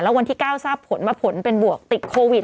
วันที่๙ทราบผลว่าผลเป็นบวกติดโควิด